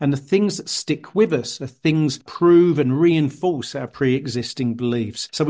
dan hal hal yang terletak di dalam kita adalah hal hal yang mencari dan mengembangkan percayaan sebelumnya